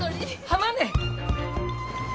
浜ね？